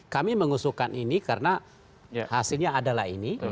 kami mengusulkan ini karena hasilnya adalah ini